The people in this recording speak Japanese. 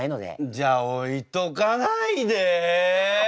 じゃあ置いとかないで。